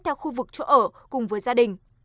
theo khu vực chỗ ở cùng với gia đình